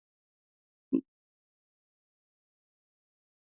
د هند ملي بیرغ تیرانګه دی.